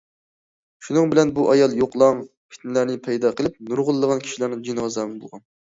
شۇنىڭ بىلەن بۇ ئايال يوقىلاڭ پىتنىلەرنى پەيدا قىلىپ نۇرغۇنلىغان كىشىلەرنىڭ جېنىغا زامىن بولغان.